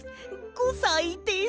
５さいです。